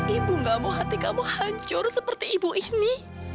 ibu enggak mau hati kamu hancur seperti ibu ini